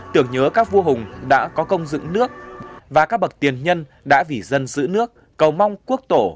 tưởng nhớ các vua hùng đã có công dựng nước và các bậc tiền nhân đã vì dân giữ nước cầu mong quốc tổ